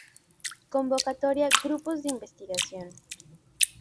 Convocatoria grupos de investigación.